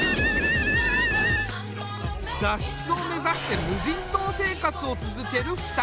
脱出を目指して無人島生活を続ける２人。